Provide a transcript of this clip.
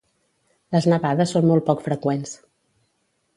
Les nevades són molt poc freqüents.